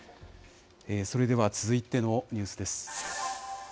それでは続いてのニュースです。